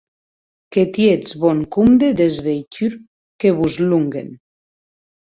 Que tietz bon compde des veitures que vos lòguen!